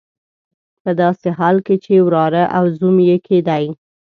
په داسې حال کې چې وراره او زوم یې کېدی.